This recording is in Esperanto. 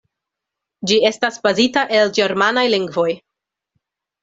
Ĝi estas bazita el ĝermanaj lingvoj.